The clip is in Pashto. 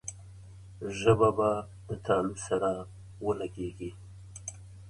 ژبه به د تالو سره ولګېږي.